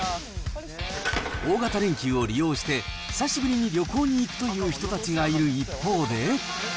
大型連休を利用して、久しぶりに旅行に行くという人たちがいる一方で。